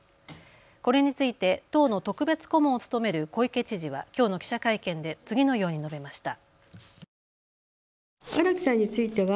これについて党の特別顧問を務める小池知事はきょうの記者会見で次のように述べました。